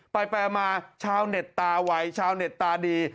ไปมาชาวเน็ตตาไวชาวเน็ตตาดี